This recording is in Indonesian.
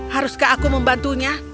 haruskah aku membantunya